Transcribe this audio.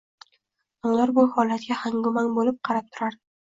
Nodir bu holatga hangu-mang bo‘lib qarab turardi.